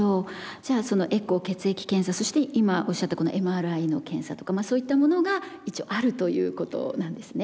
じゃあエコー血液検査そして今おっしゃったＭＲＩの検査とかそういったものが一応あるということなんですね。